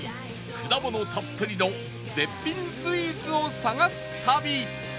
果物たっぷりの絶品スイーツを探す旅